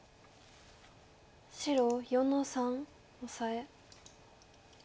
白４の三オサエ。